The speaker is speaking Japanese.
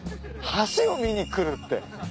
橋を見に来るって。